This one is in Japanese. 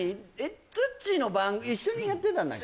ツッチーの番組一緒にやってたんだっけ？